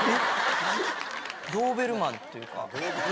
ドーベルマンっていうか。